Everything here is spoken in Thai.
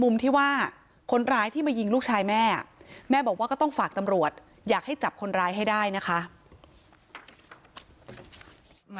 มาเคยหยั่นหลังแม่เนอะแค่เดี๋ยว